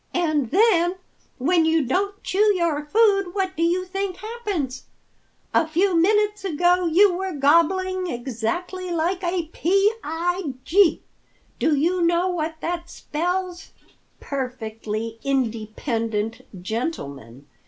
"And then when you don't chew your food, what do you think happens? A few moments ago you were gobbling exactly like a p i g. Do you know what that spells?" "Perfectly, independent gentleman!